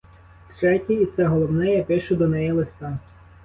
Третє, і це головне, я пишу до неї листа.